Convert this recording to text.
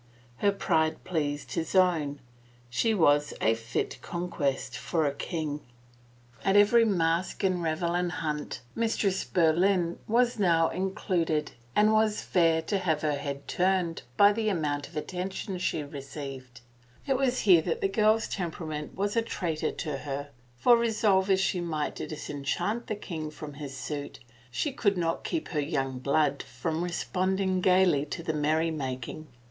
Her pride pleased his own. She was a fit conquest for a king. At every mask and revel and hunt Mistress Boleyn was now included and was fair to having her head turned by the amount of attention she received. And it was here that the girl's temperament was traitor to her, for 78 CALUMNY resolve as she might to disenchant the king from his suit, she could not keep her young blood from responding gayly to the menymaking.